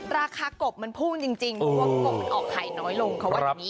ราคากบมันพุ่งจริงจริงกบมันออกไข่น้อยลงเขาบอกอย่างงี้